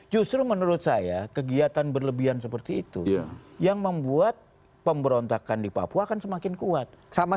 justru menurut saya kegiatan berlebihan seperti itu yang membuat pemberontakan di papua akan semakin kuat